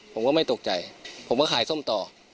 ผมก็ไม่ตกใจผมก็ขายส้มต่อ